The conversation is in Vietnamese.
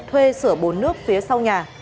thuê sửa bồn nước phía sau nhà